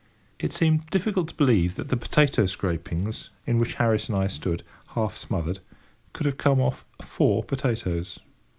It seemed difficult to believe that the potato scrapings in which Harris and I stood, half smothered, could have come off four potatoes.